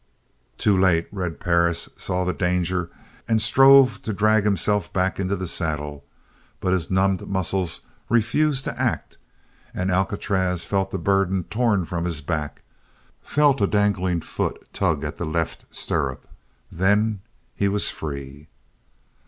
Too late Red Perris saw the danger and strove to drag himself back into the saddle, but his numbed muscles refused to act and Alcatraz felt the burden torn from his back, felt a dangling foot tug at the left stirrup then he was free.